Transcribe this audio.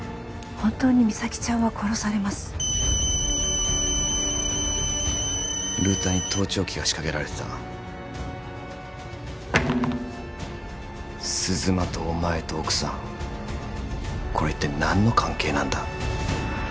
本当に実咲ちゃんは殺されますルーターに盗聴器が仕掛けられてた鈴間とお前と奥さんこれ一体何の関係なんだ？